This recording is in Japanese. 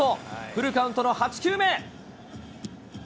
フルカウントの８球目。